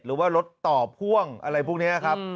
หรือว่ารถต่อพ่วงอะไรพวกนี้ครับ